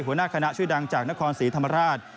หัวหน้าคณะชื่อดังจากนครศรีธรรมราช